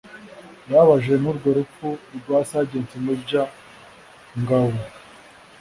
yababajwe n’urwo rupfu rwa Serg Major Ngabu